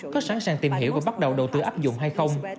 có sẵn sàng tìm hiểu và bắt đầu đầu tư áp dụng hay không